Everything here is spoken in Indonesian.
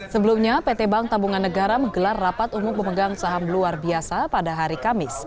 sebelumnya pt bank tabungan negara menggelar rapat umum pemegang saham luar biasa pada hari kamis